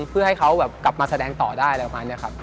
เพื่อให้เขากลับมาแสดงต่อได้อะไรประมาณนี้ครับ